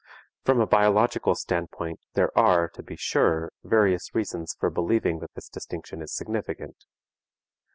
From a biological standpoint there are, to be sure, various reasons for believing that this distinction is significant.